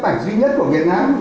rất là hay